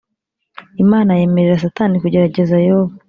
Imana yemerera satani kugerageza Yobu